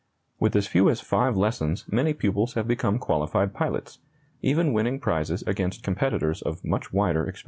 With as few as five lessons many pupils have become qualified pilots, even winning prizes against competitors of much wider experience.